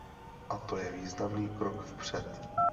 A to je významný krok vpřed.